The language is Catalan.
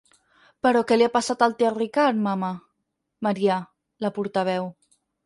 Però què li ha passat al tiet Ricard, mama? –Maria, la portaveu.